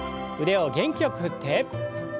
腕を元気よく振って。